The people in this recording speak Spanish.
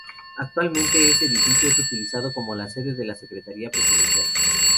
Actualmente, ese edificio es utilizado como la sede de la Secretaría Presidencial.